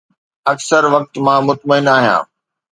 اڪثر وقت مان مطمئن آهيان